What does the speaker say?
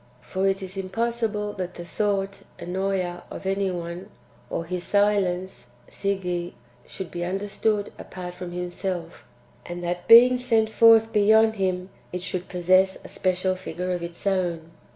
For it is impossible that the thought (Ennoea) of any one, or his silence (Sige), should be under stood apart from himself ; and that, being sent forth beyond him, it should possess a special figure of its own.